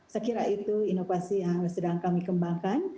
saya kira itu inovasi yang sedang kami kembangkan